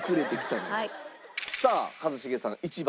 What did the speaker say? さあ一茂さん１番。